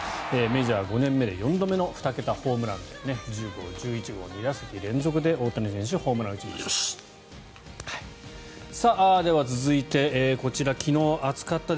メジャー５年目で４度目の１０号１１号、２打席連続で大谷選手ホームランを打ちました。